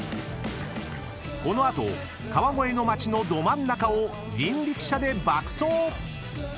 ［この後川越の町のど真ん中を人力車で爆走！］